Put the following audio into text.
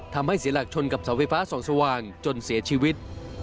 ทำให้เสียหลักชนกับเสาไฟฟ้าส่องสว่างจนเสียชีวิต